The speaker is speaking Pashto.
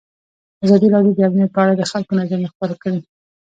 ازادي راډیو د امنیت په اړه د خلکو نظرونه خپاره کړي.